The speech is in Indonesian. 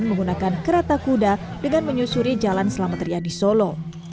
menggunakan kerata kuda dengan menyusuri jalan selamateria di solo